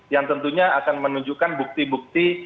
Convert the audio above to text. yang tentunya akan menunjukkan bukti bukti